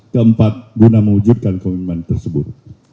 keempat guna mewujudkan komitmen tersebut